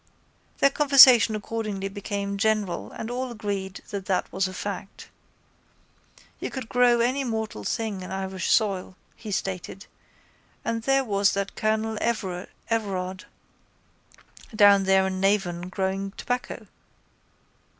Their conversation accordingly became general and all agreed that that was a fact. You could grow any mortal thing in Irish soil, he stated, and there was that colonel Everard down there in Navan growing tobacco.